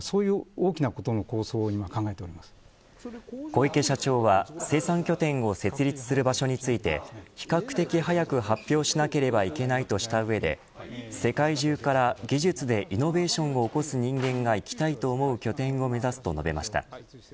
小池社長は、生産拠点を設立する場所について比較的早く発表しなければいけないとした上で世界中から技術でイノベーションを起こす人間が行きたいと思う拠点を目指すと述べました。